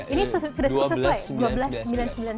ini sudah sesuai dua belas ribu sembilan ratus sembilan puluh sembilan